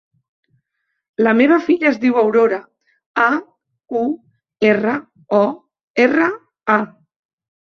La meva filla es diu Aurora: a, u, erra, o, erra, a.